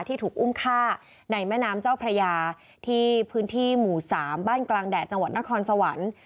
ถูกอุ้มฆ่าในแม่น้ำเจ้าพระยาที่พื้นที่หมู่๓บ้านกลางแดดจังหวัดนครสวรรค์